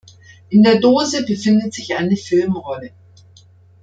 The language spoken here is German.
In der Dose befindet sich eine Filmrolle.